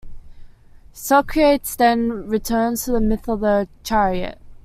Socrates then returns to the myth of the chariot.